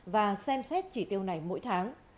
và xem xét chỉ tiêu này mỗi tháng